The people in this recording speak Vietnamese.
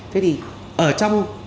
thế thì ở trong